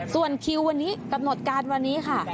ส่วนคิววันนี้กำหนดการวันนี้ค่ะ